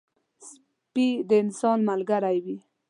سپي د انسان ملګری وي.